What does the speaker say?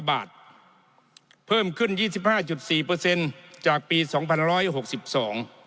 บาทเพิ่มขึ้นยี่สิบห้าจุดสี่เปอร์เซ็นต์จากปีสองพันร้อยหกสิบสอง